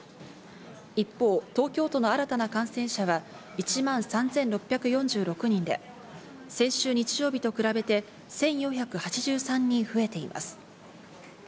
一方、東京都の新たな感染者は１万３６４６人で、先週日曜日と比べて１４８３人増えています。